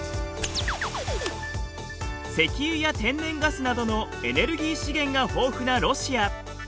石油や天然ガスなどのエネルギー資源が豊富なロシア。